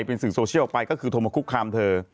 เป็นสื่อโซเชียลออกไปก็คือโทรมาคุกคามเธอ